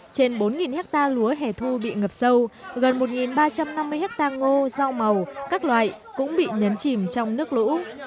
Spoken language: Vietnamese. trên bốn hectare lúa hẻ thu bị ngập sâu gần một ba trăm năm mươi hectare ngô rau màu các loại cũng bị nhấn chìm trong nước lũ